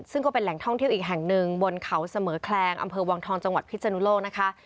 ซึ่งก็เป็นแหล่งท่องเที่ยวอีกแห่งหนึ่งบนเขาเสมอแคลงอำเภอวังทองจังหวัดพิศนุโลกนะคะ